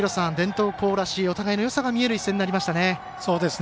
お互いのよさが見える一戦になりましたね。